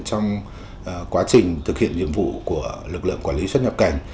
trong quá trình thực hiện nhiệm vụ của lực lượng quản lý xuất nhập cảnh